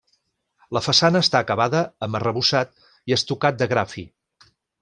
La façana està acabada amb arrebossat i estucat de gra fi.